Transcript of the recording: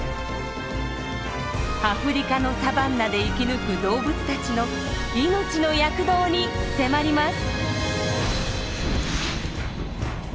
アフリカのサバンナで生き抜く動物たちの命の躍動に迫ります。